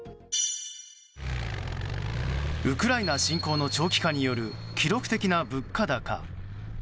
ウクライナ侵攻の長期化による記録的な物価高。